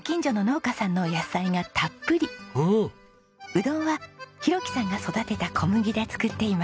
うどんは浩樹さんが育てた小麦で作っています。